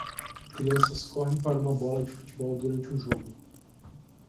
Crianças correm para uma bola de futebol durante um jogo.